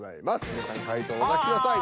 皆さん回答をお書きください。